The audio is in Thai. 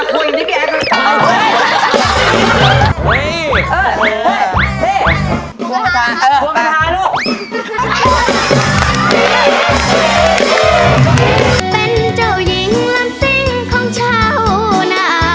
ลูกก็ตายเป็นเจ้าหญิงลัมน์สิ้งของเจ้าน่ะ